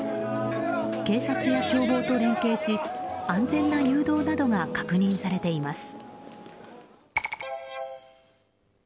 警察や消防と連携し安全な誘導などが確認されています。